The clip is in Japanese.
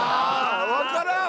わからん。